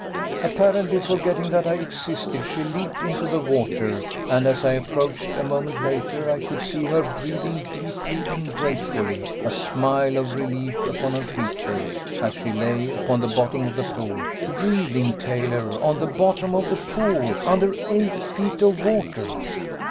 "Apparently forgetting that I existed, she leaped into the water, and as I approached a moment later I could see her breathing deeply and gratefully, a smile of relief upon her features, as she lay upon the bottom of the pool. Breathing, Taylor, on the bottom of the pool! Under eight feet of water!"